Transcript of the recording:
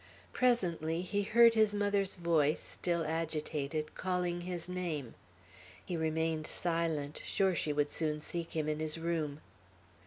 Presently he heard his mother's voice, still agitated, calling his name. He remained silent, sure she would soon seek him in his room.